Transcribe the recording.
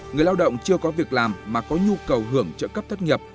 người lao động chưa có việc làm mà có nhu cầu hưởng trợ cấp thất nghiệp